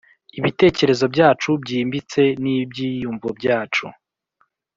ibitekerezo byacu byimbitse n ibyiyumvo byacu